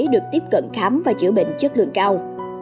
được tiếp cận khám và chữa bệnh chất lượng cao